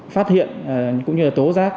phát hiện cũng như là tố giác